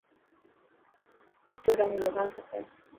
ڪچو رنگ لگان کپي.